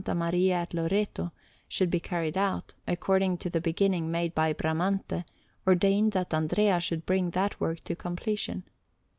Maria at Loreto should be carried out, according to the beginning made by Bramante, ordained that Andrea should bring that work to completion.